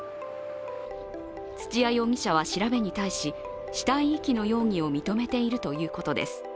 土屋容疑者は調べに対し死体遺棄の容疑を認めているということです。